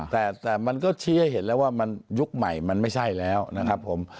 แต่มันก็ชี้ให้เห็นแล้วว่ามันยุคใหม่มันไม่ใช่แล้วนะครับผม